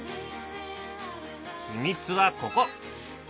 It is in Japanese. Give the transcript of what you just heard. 秘密はここ。